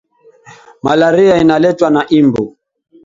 Malaria inaletwa na imbu